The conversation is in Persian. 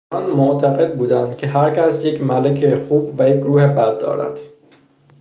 آنان معتقد بودند که هر کس یک ملک خوب و یک روح بد دارد.